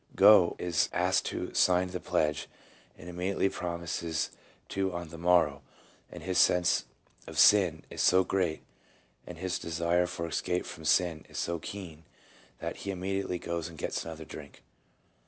Gough is asked to sign the pledge, and immediately promises to on the morrow, and his "sense of sin " is so great, and his desire for " escape from sin " is so keen, that he immediately goes and gets another drink.